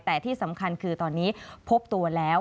แต่ที่สำคัญคือตอนนี้พบตัวแล้ว